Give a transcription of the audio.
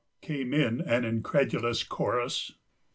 came in an incredulous chorus.